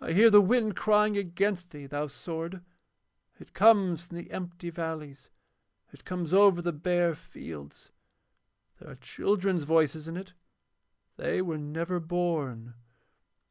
I hear the wind crying against thee, thou sword! It comes from the empty valleys. It comes over the bare fields. There are children's voices in it. They were never born.